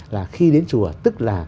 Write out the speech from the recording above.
là khi đến chùa tức là